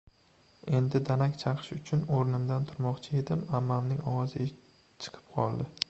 Endi danak chaqish uchun o‘mimdan turmoqchi edim, ammamning ovozi chiqib qoldi.